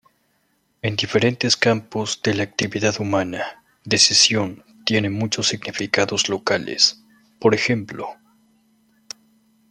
En diferentes campos de la actividad humana, decisión tiene muchos significados locales, por ejemplo